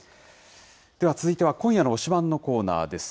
では続いては今夜の推しバン！のコーナーです。